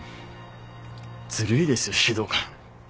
ずるいですよ指導官。